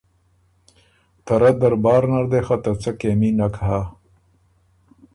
”ته رۀ دربار نر دې خه ته څه کېمي نک هۀ“